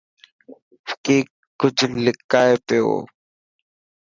وڪي ڪجهه لڪائي پيو.